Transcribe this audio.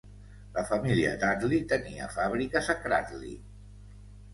La família Dudley tenia fàbriques a Cradley.